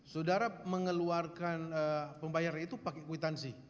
saudara mengeluarkan pembayaran itu pakai kwitansi